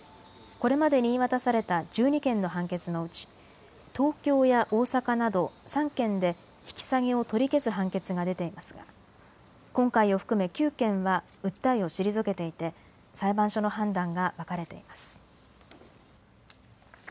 これまでに言い渡された１２件の判決のうち東京や大阪など３件で引き下げを取り消す判決が出ていますが今回を含め９件は訴えを退けていて裁判所の判断が分かれてます。